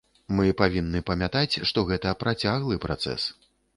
Мы павінны памятаць, што гэта працяглы працэс.